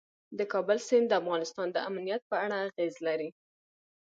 د کابل سیند د افغانستان د امنیت په اړه اغېز لري.